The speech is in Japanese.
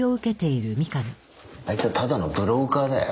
あいつはただのブローカーだよ。